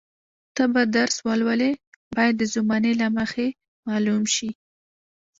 ته به درس ولولې باید د زمانې له مخې معلوم شي.